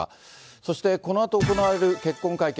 そしてこのあと行われる結婚会見。